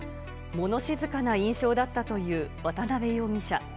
もの静かな印象だったという渡辺容疑者。